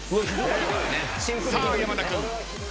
さあ山田君